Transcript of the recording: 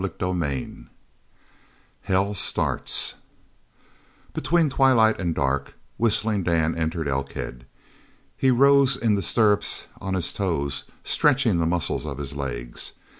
CHAPTER XXIII HELL STARTS Between twilight and dark Whistling Dan entered Elkhead. He rose in the stirrups, on his toes, stretching the muscles of his legs.